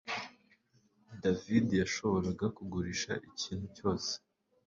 David yashoboraga kugurisha ikintu cyose